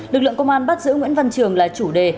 lực lượng công an bắt giữ nguyễn văn trường là chủ đề